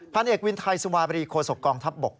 เอกวินไทยสุวาบรีโคศกองทัพบก